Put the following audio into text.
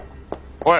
おい！